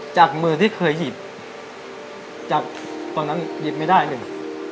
จากมือที่เคยหยิบจากตอนนั้นหยิบไม่ได้หนึ่ง